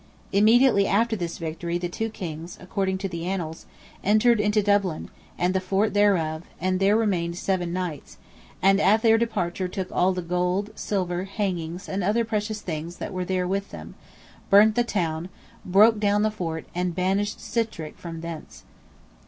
Immediately after this victory the two kings, according to the Annals, "entered into Dublin, and the fort thereof, and there remained seven nights, and at their departure took all the gold, silver, hangings, and other precious things that were there with them, burnt the town, broke down the fort, and banished Sitrick from thence" (A.